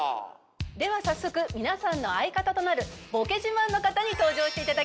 では早速皆さんの相方となるボケ自慢の方に登場していただきましょう。